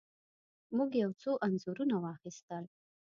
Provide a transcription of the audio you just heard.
موږ یو څو انځورونه واخیستل.